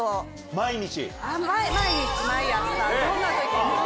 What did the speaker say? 毎日。